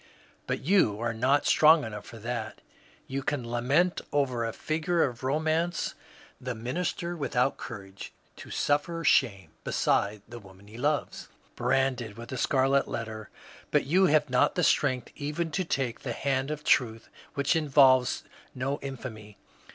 But you are not strong enough for that. You can lament over a figure of romance, the minister without courage to suffer shame beside the woman he loves, branded with a scarlet letter, but yon have not the strength even to take the hand of Truth which involves no infamy.